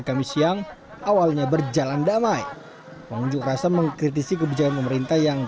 kami siang awalnya berjalan damai pengunjuk rasa mengkritisi kebijakan pemerintah yang